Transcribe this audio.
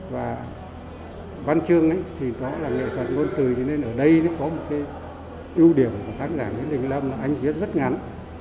và văn chương thì đó là nghệ thuật ngôn từ nên ở đây có một cái ưu điểm của tác giả nguyễn đình lâm là anh viết rất ngắn